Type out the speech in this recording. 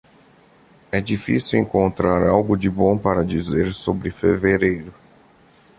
É difícil encontrar algo de bom para dizer sobre fevereiro.